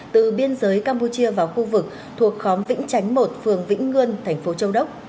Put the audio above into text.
từ biên giới campuchia vào khu vực thuộc khóm vĩnh chánh một phường vĩnh ngươn thành phố châu đốc